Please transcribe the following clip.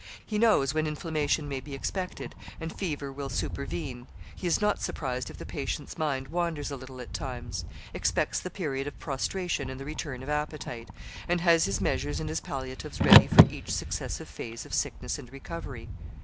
He knows when inflammation may be expected and fever will supervene; he is not surprised if the patient's mind wanders a little at times; expects the period of prostration and the return of appetite; and has his measures and his palliatives ready for each successive phase of sickness and recovery.